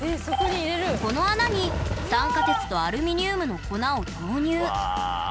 この穴に酸化鉄とアルミニウムの粉を投入。